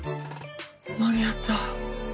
間に合った。